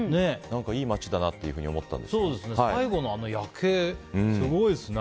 いい街だなというふうに最後の夜景、すごいですね。